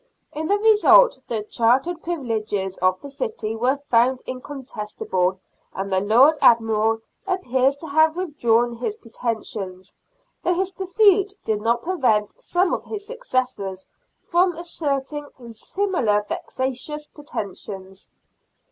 In the result, the chartered privileges of the city were found incontestable, and the Lord Admiral appears to have withdrawn his pretensions, though his defeat did not prevent some of his successors from asserting similar vexatious pretensions.